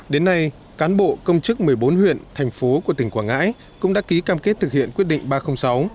đến nay cán bộ công chức một mươi bốn huyện thành phố của tỉnh quảng ngãi cũng đã ký cam kết thực hiện quyết định ba trăm linh sáu